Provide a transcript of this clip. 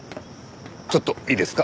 ちょっといいですか？